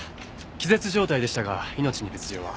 気絶状態でしたが命に別条は。